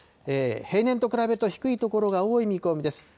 平年と比べると低い所が多い見込みです。